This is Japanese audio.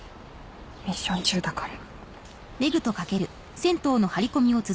ミッション中だから。